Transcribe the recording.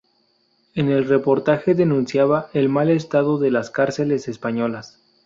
En el reportaje denunciaba el mal estado de las cárceles españolas.